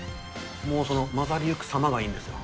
もう、その混ざりゆくさまがいいんですよ。